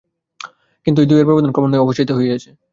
কিন্তু এই দুইয়ের আবেদন ক্রমান্বয়েই অবসায়িত হয়েছে।